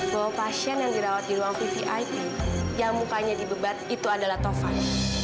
bahwa pasien yang dirawat di ruang vvip yang mukanya dibebas itu adalah tovan